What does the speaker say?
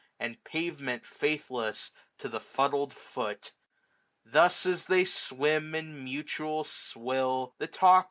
And pavement, faithless to the fuddled foot. Thus as they swim in mutual swill, the talk.